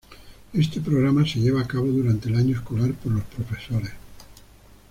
Este programa se lleva a cabo durante el año escolar por los profesores.